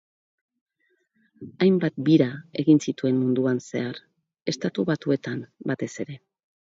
Hainbat bira egin zituen munduan zehar, Estatu Batuetan, batez ere.